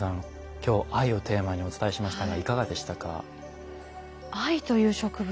今日藍をテーマにお伝えしましたがいかがでしたか？